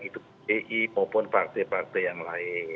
ruining state atau hak big data karting mana pun